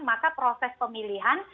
maka proses pemilihan